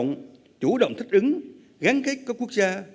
cộng đồng asean chủ động thích ứng gắn kết các quốc gia